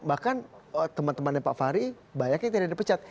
bahkan teman temannya pak fahri banyaknya tidak dipecat